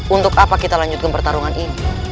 untuk apa kita lanjutkan pertarungan ini